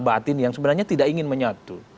batin yang sebenarnya tidak ingin menyatu